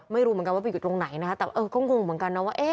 ไม่รู้ว่าไปหยุดลงไหนนะก็งงว่า